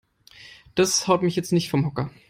Das haut mich jetzt nicht vom Hocker.